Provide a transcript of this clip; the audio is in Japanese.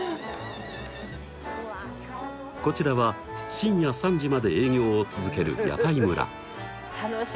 こちらは深夜３時まで営業を続ける屋台村。